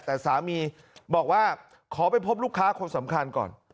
แต่สามีบอกว่าขอไปพบลูกค้าคนสำคัญก่อน